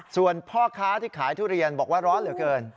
ส่วนพ่อค้าที่ขายทุเรียนบอกว่าร้อนเหลือเกิน